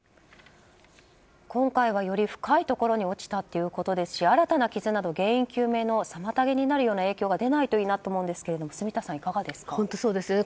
今回はより深いところに落ちたということですし新たな傷など原因究明の妨げになるような影響が出ないといいなと思うんですが本当にそうですね。